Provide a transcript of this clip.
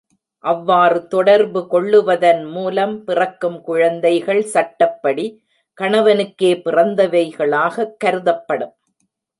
அவ்வாறு தொடர்பு கொள்ளுவதன் மூலம் பிறக்கும் குழந்தைகள் சட்டப்படி கணவனுக்கே பிறந்தவைகளாகக் கருதப்படும்.